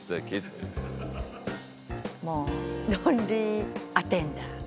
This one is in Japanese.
そうロンリーアテンダー。